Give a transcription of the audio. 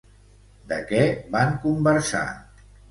De què van conversar?